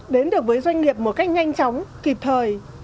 đến được với doanh nghiệp một cách nhanh chóng kịp thời